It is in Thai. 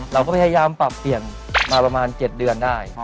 เราก็พยายามปรับเปลี่ยนมาประมาณ๗เดือนได้